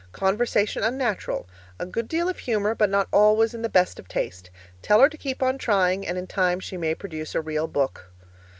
Conversation unnatural. A good deal of humour but not always in the best of taste. Tell her to keep on trying, and in time she may produce a real book.'